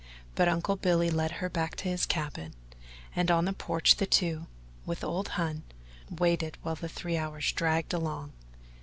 But Uncle Billy led her back to his cabin, and on the porch the two, with old Hon, waited while the three hours dragged along.